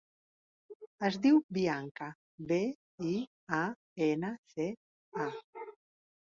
Es diu Bianca: be, i, a, ena, ce, a.